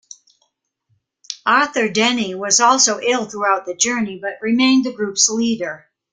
Arthur Denny was also ill throughout the journey, but remained the group's leader.